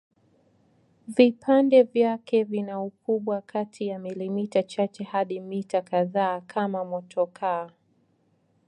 Vipande vyake vina ukubwa kati ya milimita chache hadi mita kadhaa kama motokaa.